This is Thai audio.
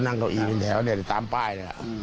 นั่งเก้าอี้อยู่แล้วเนี่ยตามป้ายเนี่ย